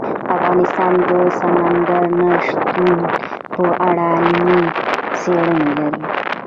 افغانستان د سمندر نه شتون په اړه علمي څېړنې لري.